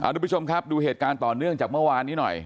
ทุกผู้ชมครับดูเหตุการณ์ต่อเนื่องจากเมื่อวานนี้หน่อย